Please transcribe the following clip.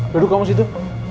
duduk kamu situ